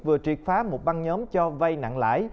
vừa triệt phá một băng nhóm cho vay nặng lãi